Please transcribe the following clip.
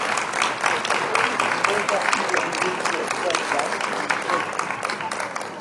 Pə́ ghâʼ Mbwoʼmbî njwōʼ pə̂ tsǎp mbishʉ̂.